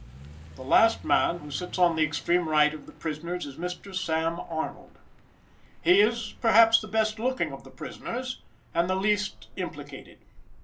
The last man, who sits on the extreme right of the prisoners, is Mr. Sam. Arnold. He is, perhaps, the best looking of the prisoners, and the least implicated.